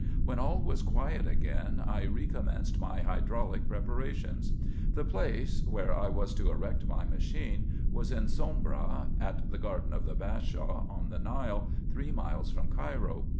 When all was quiet again, I recommenced my hydraulic pre parations. The place, where I was to erect my machine, was in Soubra, at the garden of the Bashaw, on the Nile, three miles from Cairo.